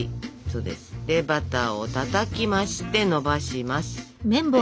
そうです。でバターをたたきましてのばします。